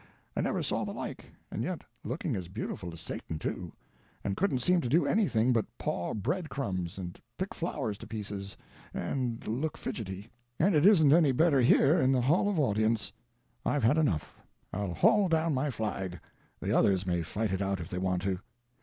—I never saw the like—and yet looking as beautiful as Satan, too—and couldn't seem to do anything but paw bread crumbs, and pick flowers to pieces, and look fidgety. And it isn't any better here in the Hall of Audience. I've had enough; I'll haul down my flag—the others may fight it out if they want to."